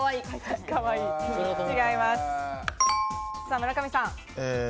村上さん。